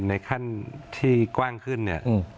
ในขั้นที่กว้างขึ้น